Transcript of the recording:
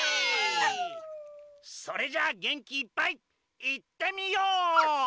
それじゃあげんきいっぱいいってみよう！